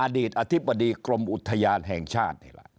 อดีตอธิบดีกรมอุทยานแห่งชาตินี่แหละ